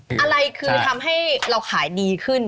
อะไรคือทำให้เราขายดีขึ้น